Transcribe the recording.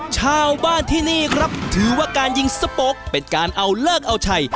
ชาวบ้านที่นี่ครับถือว่าการยิงสโป๊กเป็นการเอาเลิกเอาชัย